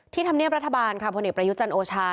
ที่ทำเนียบรัฐบาลค่ะผลิตประยุจจันทร์โอชา